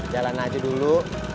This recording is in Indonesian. jalan aja dulu